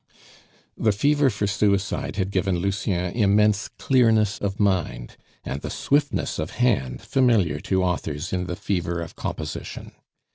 The fever for suicide had given Lucien immense clearness of mind, and the swiftness of hand familiar to authors in the fever of composition.